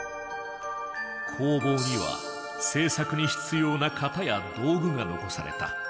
工房には制作に必要な型や道具が残された。